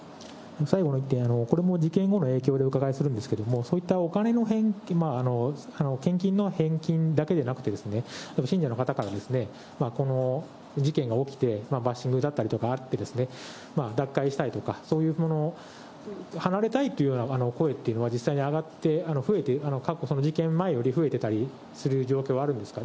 最後の１点、これも事件後の影響でお伺いするんですけれども、そういったお金の、献金の返金だけでなくて、信者の方からですね、この事件が起きて、バッシングだったりとかあって、脱会したいとか、そういうもの、離れたいっていうような声っていうのは実際に上がって、増えて、事件前より増えてたりする状況はあるんですか？